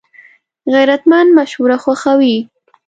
غیرتمند مشوره خوښوي